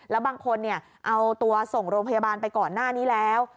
แล้วบางคนเอาตัวส่งโรงพยาบาลไปก่อนหน้านี้แล้ว